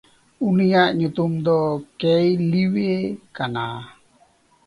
ᱩᱱᱤᱭᱟᱜ ᱧᱩᱛᱩᱢ ᱫᱚ ᱠᱮᱭᱞᱤᱣᱮ ᱠᱟᱱᱟ᱾